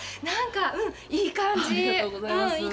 なんかいい感じ。